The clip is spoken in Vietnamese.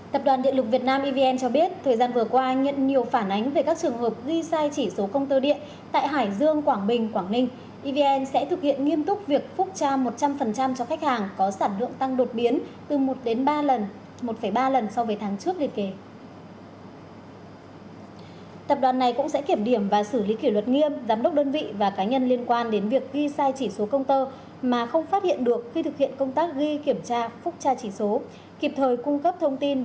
tập đoàn điện lục việt nam evn cho biết thời gian vừa qua nhận nhiều phản ánh về các trường hợp ghi sai chỉ số công tơ điện tại hải dương quảng bình quảng ninh